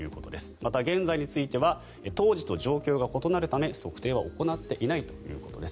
また現在については当時と状況が異なるため測定は行っていないということです。